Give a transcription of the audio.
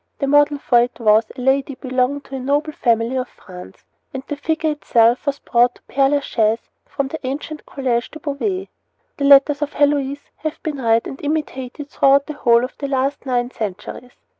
The model for it was a lady belonging to a noble family of France, and the figure itself was brought to Pere Lachaise from the ancient College de Beauvais. The letters of Heloise have been read and imitated throughout the whole of the last nine centuries.